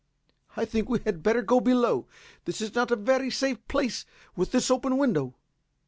I think we had better go below. This is not a very safe place with this open window."